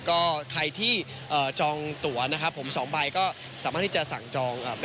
ก็ใครที่จองตัวนะครับผมสองใบก็สามารถที่จะสั่งจอง